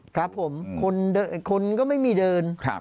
คนก็ไม่มีเดิน